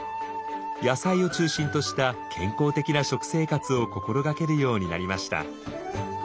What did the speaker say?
野菜を中心とした健康的な食生活を心がけるようになりました。